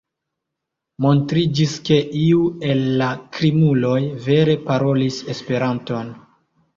Montriĝis, ke iu el la krimuloj vere parolis Esperanton.